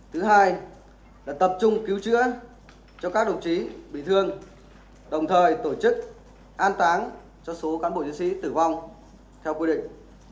thứ hai là tập trung cứu chữa cho các đồng chí bị thương đồng thời tổ chức an táng cho số cán bộ chiến sĩ tử vong theo quy định